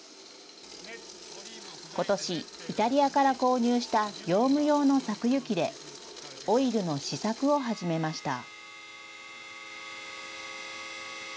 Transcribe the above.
ことし、イタリアから購入した業務用の搾油機でオイルの試作を始めました。